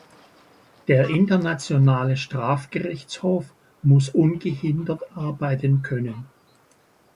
Der Internationale Strafgerichtshof muss ungehindert arbeiten können.